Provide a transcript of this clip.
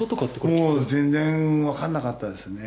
もう全然分かんなかったですね。